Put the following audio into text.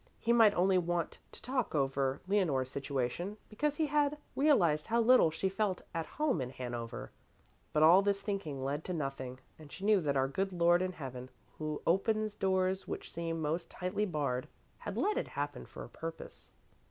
He might only want to talk over Leonore's situation because he had realized how little she felt at home in Hanover. But all this thinking led to nothing, and she knew that our good Lord in heaven, who opens doors which seem most tightly barred, had let it happen for a purpose.